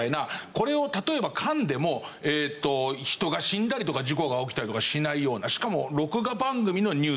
これを例えばかんでも人が死んだりとか事故が起きたりとかしないようなしかも録画番組のニュース。